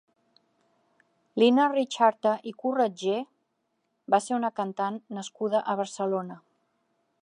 Lina Richarte i Corretgé va ser una cantant nascuda a Barcelona.